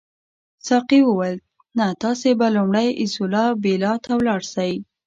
ساقي وویل نه تاسي به لومړی ایزولا بیلا ته ولاړ شئ.